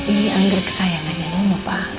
ini anggil kesayangan yang mau pak